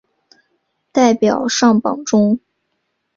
代表上榜中